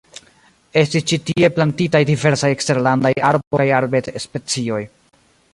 Estis ĉi tie plantitaj diversaj eksterlandaj arbo- kaj arbed-specioj.